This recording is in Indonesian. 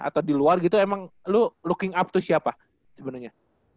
atau di luar gitu emang lo looking up tuh siapa sebenarnya